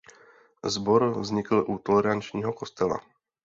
Sbor vznikl u tolerančního kostela.